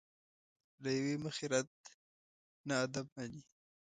له یوې مخې رد نه ادب مني.